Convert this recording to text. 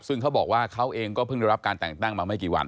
ซึ่งเขาบอกว่าเขาเองก็เพิ่งได้รับการแต่งตั้งมาไม่กี่วัน